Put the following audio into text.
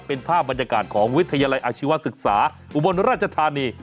เป็นภาพบรรยากาศของวิทยาลัยอาชีวศึกษาอุบลราชธานี